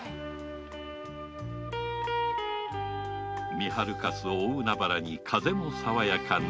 見はるかす大海原に風もさわやか波